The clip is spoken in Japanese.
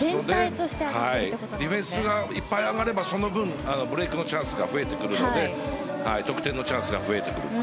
ディフェンスがいっぱい上がればその分、ブレークのチャンス得点のチャンスが増えると。